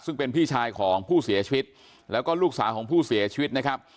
ซึ่งเป็นพี่ชายของผู้เสียชีวิตแล้วก็ลูกสาวของผู้เสียชีวิตนะครับ